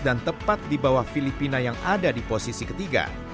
dan tepat di bawah filipina yang ada di posisi ketiga